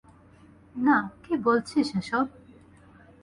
না, কি বলছিস এসব?